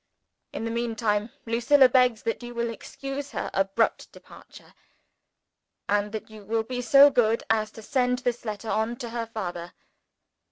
In the meantime, Lucilla begs that you will excuse her abrupt departure, and that you will be so good as to send this letter on to her father.